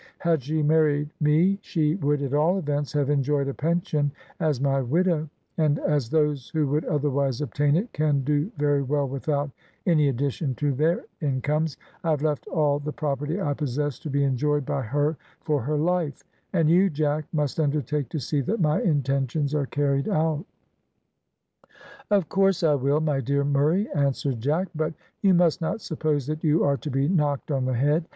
Had she married me, she would, at all events, have enjoyed a pension as my widow, and as those who would otherwise obtain it can do very well without any addition to their incomes, I have left all the property I possess to be enjoyed by her for her life; and you, Jack, must undertake to see that my intentions are carried out." "Of course I will, my dear Murray," answered Jack. "But you must not suppose that you are to be knocked on the head.